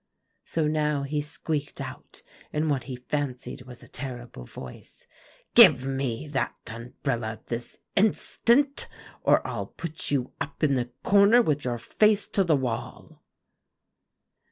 So now he squeaked out in what he fancied was a terrible voice, 'Give me that umbrella this instant, or I'll put you up in the corner with your face to the wall.